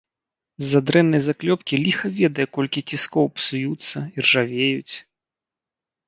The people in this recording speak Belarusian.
З-за дрэннай заклёпкі ліха ведае колькі ціскоў псуюцца, іржавеюць.